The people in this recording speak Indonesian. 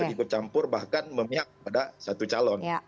itu dicampur bahkan memihak pada satu calon